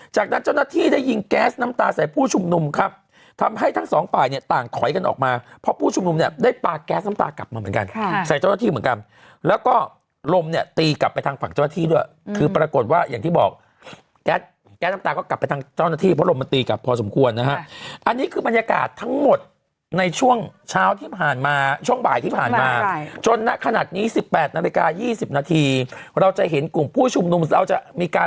จากนั้นเจ้าหน้าที่ได้ยิงแก๊สน้ำตาใส่ผู้ชุมนุมครับทำให้ทั้งสองฝ่ายเนี่ยต่างขอยกันออกมาเพราะผู้ชุมนุมเนี่ยได้ปลากแก๊สน้ำตากลับมาเหมือนกันใส่เจ้าหน้าที่เหมือนกันแล้วก็ลมเนี่ยตีกลับไปทางฝั่งเจ้าหน้าที่ด้วยคือปรากฏว่าอย่างที่บอกแก๊สน้ำตาก็กลับไปทางเจ้าหน้าที่เพราะลมมันตีกล